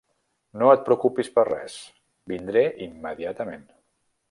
No et preocupis per res; vindré immediatament.